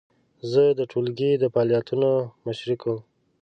زه د ټولګي د فعالیتونو مشري کوم.